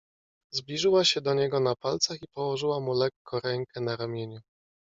"Zbliżyła się do niego na palcach i położyła mu lekko rękę na ramieniu."